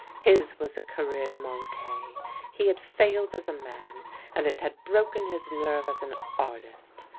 His was a career manque: he had failed as a man, and it had broken his nerve as an artist.